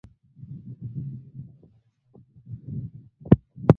طبیعي زیرمې د افغانستان په هره برخه کې موندل کېږي.